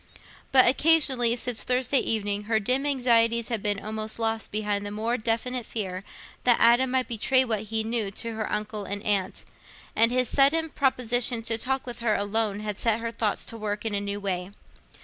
But occasionally, since Thursday evening, her dim anxieties had been almost lost behind the more definite fear that Adam might betray what he knew to her uncle and aunt, and his sudden proposition to talk with her alone had set her thoughts to work in a new way.